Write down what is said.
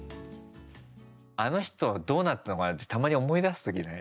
あの人どうなったのかなって、たまに思い出す時ない？